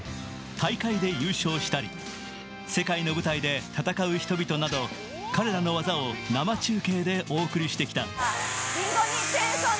大会で優勝したり、世界の舞台で戦う人々など、彼らの技を生中継でお送りしてきた。